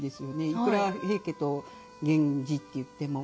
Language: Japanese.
いくら平家と源氏っていっても。